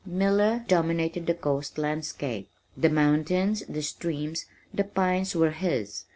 Miller dominated the coast landscape. The mountains, the streams, the pines were his.